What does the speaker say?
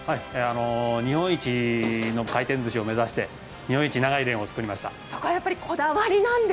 日本一の回転寿司を目指して日本一のレーンを作りました。